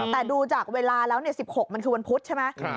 แต่ดูจากเวลาแล้ว๑๖มันคือวันพุธใช่ไหม